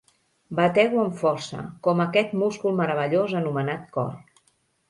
Batego amb força, com aquest múscul meravellós anomenat cor.